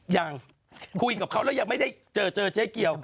ยังคุยกับเขาแล้วยังไม่ได้เจอเจอเจ๊เกียว